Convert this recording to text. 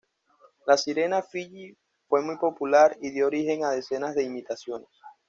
La sirena Fiyi fue muy popular y dio origen a decenas de imitaciones.